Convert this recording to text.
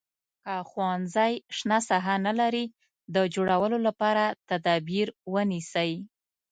که ښوونځی شنه ساحه نه لري د جوړولو لپاره تدابیر ونیسئ.